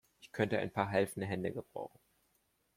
Ich könnte ein paar helfende Hände gebrauchen.